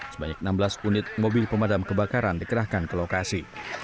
sebanyak enam belas unit mobil pemadam kebakaran dikerahkan ke lokasi